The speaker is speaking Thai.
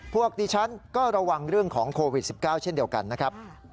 เป็นโขดหินยื่นลงน้ำ